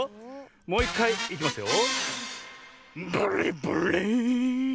もういっかいいきますよ。